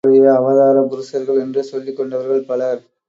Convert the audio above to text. கடவுளுடைய அவதார புருஷர்கள் என்று சொல்லிக் கொண்டவர்கள் பலர்.